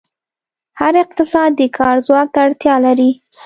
هر اقتصاد د کار ځواک ته اړتیا لري.